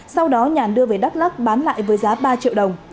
sau đó nhàn đưa về đắk lắc bán lại với giá ba triệu đồng